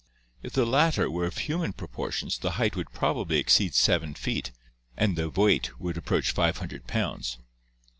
If the latter were of human proportions the height would probably exceed 7 feet and the weight would approach 500 pounds.